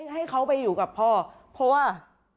ให้เขาไปอยู่กับพ่อเพราะว่า